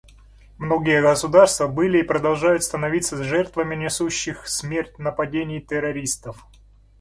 Многие государства были и продолжают становиться жертвами несущих смерть нападений террористов.